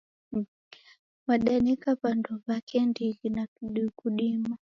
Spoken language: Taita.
Wadaneka wandu wake ndighi na kudima.